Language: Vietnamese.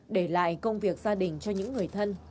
để lại công việc gia đình cho những người thân